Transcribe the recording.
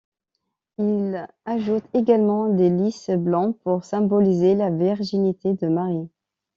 Il ajoute également des lys blancs pour symboliser la virginité de Marie.